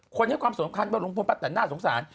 ให้ความสำคัญว่าลุงพลป้าแต่นน่าสงสาร